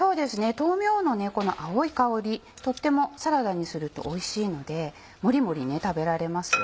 豆苗のこの青い香りとってもサラダにするとおいしいのでモリモリ食べられますよ。